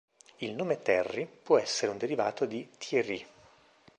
Il nome "Terry" può essere un derivato di "Thierry".